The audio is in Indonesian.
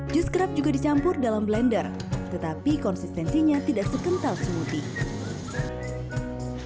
jus kerap juga dicampur dalam blender tetapi konsistensinya tidak sekental smoothie